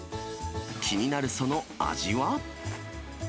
気になるその味は？